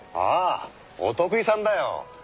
ああお得意さんだよ。